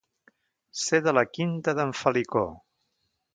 Ser de la quinta d'en Felicó.